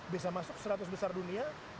bisa masuk seratus besar dunia